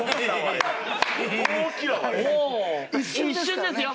一瞬ですよ。